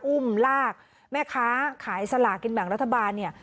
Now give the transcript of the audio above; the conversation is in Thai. อุ้มลากแม่ค้าขายสลากินแบ่งรัฐบาลเนี่ย